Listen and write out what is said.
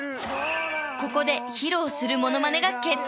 ［ここで披露するモノマネが決定］